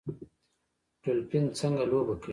ډولفین څنګه لوبه کوي؟